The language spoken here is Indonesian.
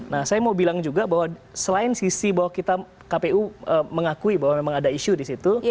nah saya mau bilang juga bahwa selain sisi bahwa kita kpu mengakui bahwa memang ada isu di situ